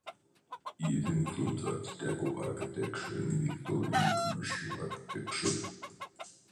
It includes Art Deco architecture and Victorian commercial architecture.